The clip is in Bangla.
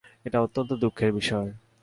এটা অত্যন্ত দুঃখের বিষয়।